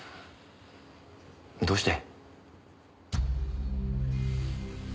どうして？